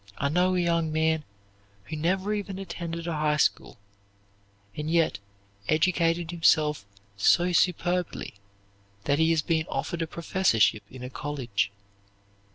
I know a young man who never even attended a high school, and yet educated himself so superbly that he has been offered a professorship in a college.